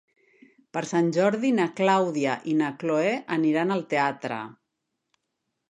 Per Sant Jordi na Clàudia i na Cloè aniran al teatre.